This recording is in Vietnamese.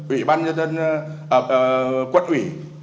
ủy ban nhân dân quân ủy